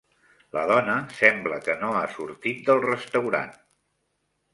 La dona sembla que no ha sortit del restaurant.